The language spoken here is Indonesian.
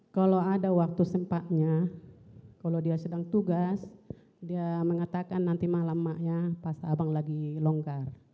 kalau ada waktu sempatnya kalau dia sedang tugas dia mengatakan nanti malam mak ya pas abang lagi longgar